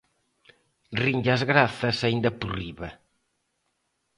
Rinlle as grazas aínda por riba.